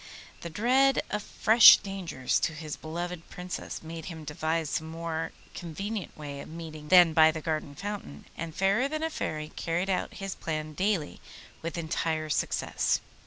The dread of fresh dangers to his beloved Princess made him devise some more convenient way of meeting than by the garden fountain, and Fairer than a Fairy carried out his plan daily with entire success.